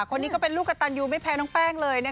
คนนี้ก็เป็นลูกกระตันยูไม่แพ้น้องแป้งเลยนะคะ